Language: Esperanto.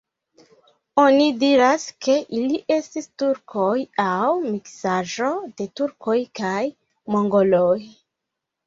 Oni diras, ke ili estis turkoj aŭ miksaĵo de turkoj kaj mongoloj.